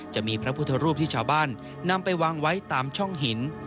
จะมีพระพุทธรูปที่ชาวบ้านนำไปวางไว้ตามช่องหิน